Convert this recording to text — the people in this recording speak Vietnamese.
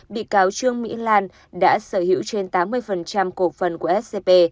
bị cáo trương mỹ lan đã sở hữu trên tám mươi cổ phần của scp